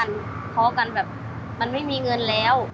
อันนี้โทรกันแบบมันไม่มีเงินแล้ว